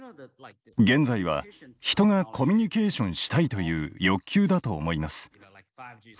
現在は人がコミュニケーションしたいという欲求だと思います。